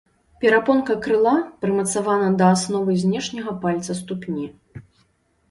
Перапонка крыла прымацавана да асновы знешняга пальца ступні.